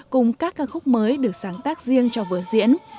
cùng các ca khúc mới được sáng tác riêng cho vở diễn